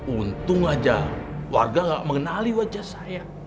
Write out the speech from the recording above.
untung aja warga gak mengenali wajah saya